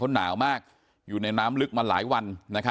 หนาวมากอยู่ในน้ำลึกมาหลายวัน